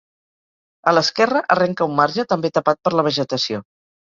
A l'esquerra arrenca un marge també tapat per la vegetació.